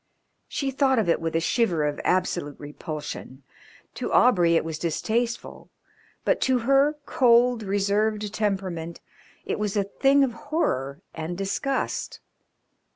She thought of it with a shiver of absolute repulsion. To Aubrey it was distasteful, but to her cold, reserved temperament it was a thing of horror and disgust.